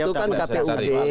itu kan kpub